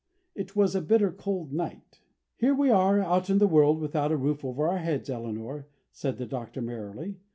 It was a bitter cold night. "Here we are out in the world without a roof over our heads, Eleanor," said the Doctor, merrily.